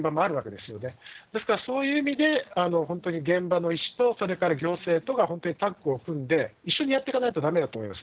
ですから、そういう意味で、本当に現場の医師とそれから行政とが本当にタッグを組んで、一緒にやってかないとだめだと思います。